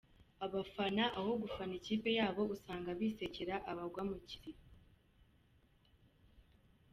Abafana aho gufana ikipe yabo usanga bisekera abagwa mu kiziba.